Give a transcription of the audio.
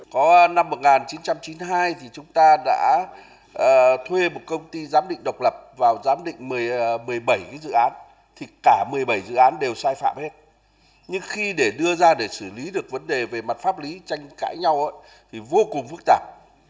đối với những bộ kế hoạch các bộ kế hoạch đã đưa ra để xử lý được vấn đề về mặt pháp lý tranh cãi nhau vô cùng phức tạp